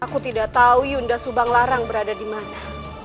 aku tidak tahu yunda subanglarang berada dimana